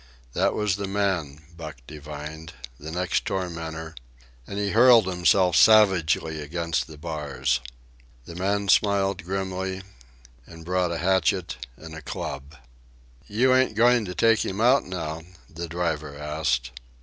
That was the man, Buck divined, the next tormentor, and he hurled himself savagely against the bars. The man smiled grimly, and brought a hatchet and a club. "You ain't going to take him out now?" the driver asked.